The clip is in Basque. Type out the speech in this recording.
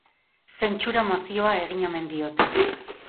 Zentsura-mozioa egin omen diote.